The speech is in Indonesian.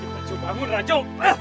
raju bangun raju